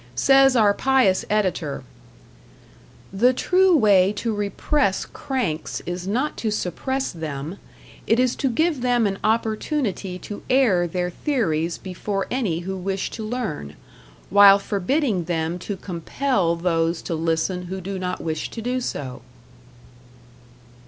Says our pious editor: The true way to repress cranks is not to suppress them; it is to give them an opportunity to air their theories before any who wish to learn, while forbidding them to compel those to listen who do not wish to do so.